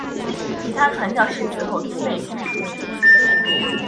其他传教士此后均被驱逐。